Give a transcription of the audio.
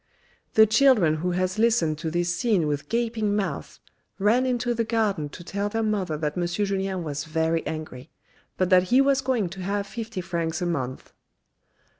" The children who has listened to this scene with gaping mouths, ran into the garden to tell their mother that M. Julien was very angry, but that he was going to have fifty francs a month."